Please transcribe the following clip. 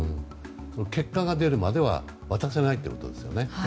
その結果が出るまでは渡せないということですよね。